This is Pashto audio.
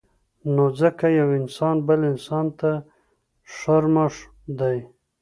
نو ځکه يو انسان بل انسان ته شرمښ دی